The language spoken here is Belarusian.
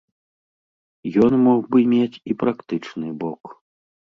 Ён мог бы мець і практычны бок.